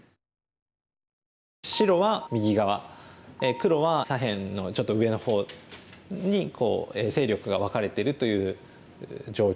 白は右側黒は左辺のちょっと上の方に勢力が分かれてるという状況です。